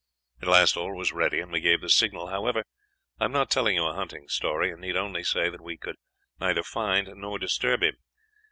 At last all was ready, and we gave the signal. However, I am not telling you a hunting story, and need only say that we could neither find nor disturb him.